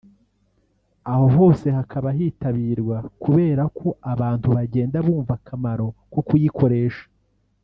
aho hose hakaba hitabirwa kubera ko abantu bagenda bumva akamaro ko kuyikoresha